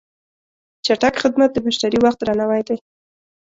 چټک خدمت د مشتری وخت درناوی دی.